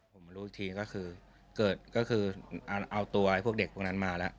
ผมมารู้อีกทีก็คือเกิดก็คือเอาตัวพวกเด็กพวกนั้นมาแล้ว